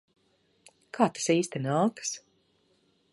Kā tas īsti nākas?